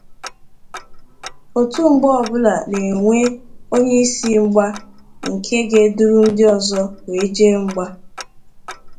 Otu mgba ọbụla na-enwe onye isi mgba nke ga-eduru ndị ọzọ wee jee mgba